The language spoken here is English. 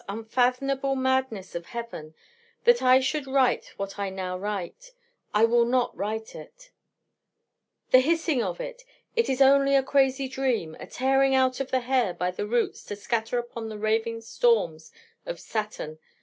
Unfathomable madness of Heaven! that ever I should write what now I write! I will not write it.... The hissing of it! It is only a crazy dream! a tearing out of the hair by the roots to scatter upon the raving storms of Saturn!